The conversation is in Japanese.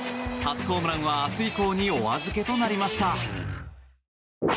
初ホームランは明日以降にお預けとなりました。